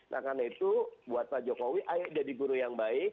nah karena itu buat pak jokowi ayo jadi guru yang baik